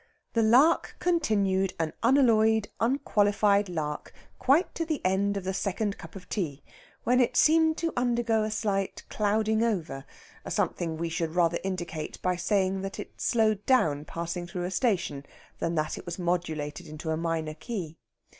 The lark continued an unalloyed, unqualified lark quite to the end of the second cup of tea, when it seemed to undergo a slight clouding over a something we should rather indicate by saying that it slowed down passing through a station, than that it was modulated into a minor key.